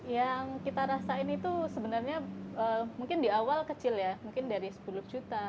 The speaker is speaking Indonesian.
yang kita rasain itu sebenarnya mungkin di awal kecil ya mungkin dari sepuluh juta